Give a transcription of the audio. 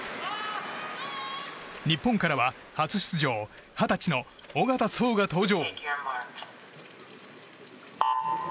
日本からは初出場二十歳の小方颯が登場。